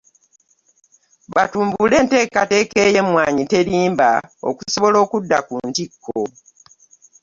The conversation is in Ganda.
Batumbule enteekateeka ng'emmwanyi terimba okusobola okudda ku ntikko.